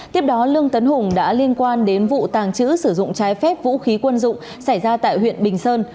tiếp đó lương tấn hùng đã liên quan đến vụ tàng trữ sử dụng trái phép vũ khí quân dụng xảy ra tại huyện bình sơn